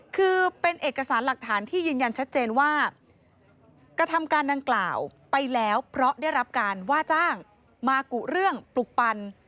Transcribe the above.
คือเป็นเอกสารหลักฐานที่ยืนยันชัดเจนว่ากระทำการดังกล่าวไปแล้วเพราะได้รับการว่าจ้างมากุเรื่องปลุกปัน